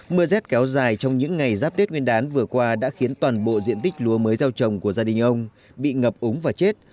mưa rét kéo dài trong những ngày giáp tết nguyên đán vừa qua đã khiến toàn bộ diện tích lúa mới gieo trồng của gia đình ông bị ngập úng và chết